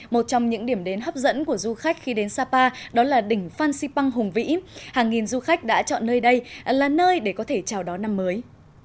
một trong những điểm đến hấp dẫn của du khách khi đến sapa đó là đỉnh phan xipang hùng vĩ hàng nghìn du khách đã chọn nơi đây là nơi để có thể chào đón năm mới